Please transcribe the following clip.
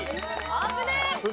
危ねえ！